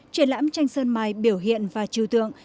triển lãm tranh sơn mài biểu hiện và trừ tượng